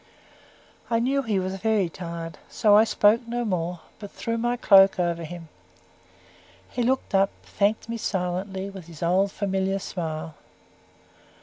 I knew he was very tired, so I spoke no more, but threw my cloak over him. He looked up, thanked me silently, with his old familiar smile.